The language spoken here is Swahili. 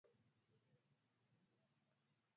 imekatwa nayo Imepakana na Kolombia Peru na Bahari ya